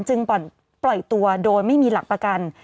ปล่อยตัวโดยไม่มีหลักประกัน